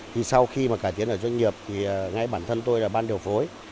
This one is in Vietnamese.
thì sau khi mà cải tiến ở doanh nghiệp thì ngay bản thân tôi là ban điều phối